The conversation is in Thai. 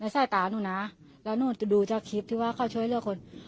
สายตาหนูนะแล้วหนูจะดูจากคลิปที่ว่าเขาช่วยเลือกคน